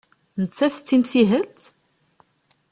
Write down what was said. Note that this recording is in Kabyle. Nettat d timsihelt?